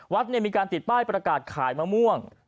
วัดมีการติดป้ายประกาศขายมะม่วง